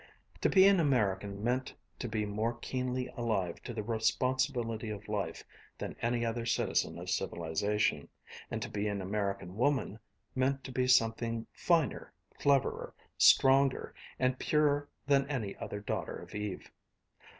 To be an American meant to be more keenly alive to the responsibility of life than any other citizen of civilization, and to be an American woman meant to be something finer, cleverer, stronger, and purer than any other daughter of Eve.